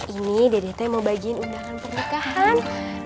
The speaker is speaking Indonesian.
ini dede mau bagiin undangan pernikahan